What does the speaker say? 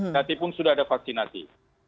walaupun sudah ada vaksinasi